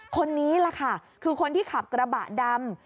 คนนี้แหละค่ะคือคนที่ขับกระบะดำ